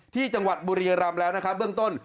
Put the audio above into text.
ที่จังหวัดบุรียรำแล้วนะครับเบื้องต้น